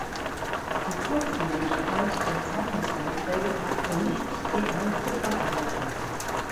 Die Kurzlebigkeit der Zeitungsbeiträge brachte nicht die erhoffte Verbreitung.